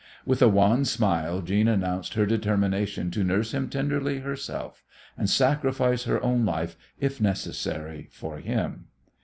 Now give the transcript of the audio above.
With a wan smile Jeanne announced her determination to nurse him tenderly herself, and sacrifice her own life if necessary for him.